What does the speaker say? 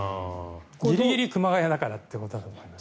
ギリギリ熊谷だからということだと思います。